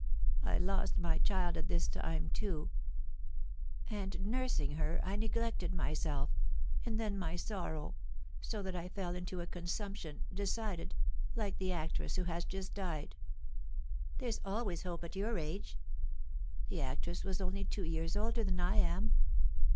I lost my child at this time, too; and nursing her, I neglected myself, and then my sorrow; so that I fell into a consumption decided like the actress who has just died." "There's always hope at your age!" "The actress was only two years older than I am."